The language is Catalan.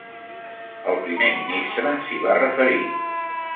El primer ministre s’hi va referir.